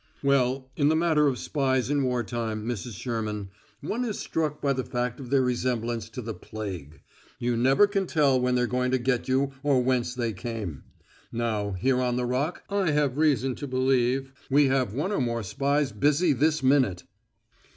"Well, in the matter of spies in war time, Mrs. Sherman, one is struck by the fact of their resemblance to the plague you never can tell when they're going to get you or whence they came. Now here on the Rock I have reason to believe we have one or more spies busy this minute."